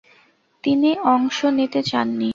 তিনি অংশ নিতে চাননি।